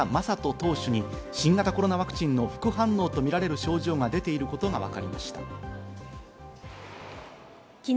投手に新型コロナワクチンの副反応とみられる症状が出ていることがわかりました。